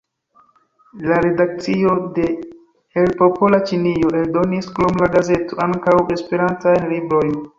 La redakcio de "El Popola Ĉinio" eldonis, krom la gazeto, ankaŭ esperantajn librojn.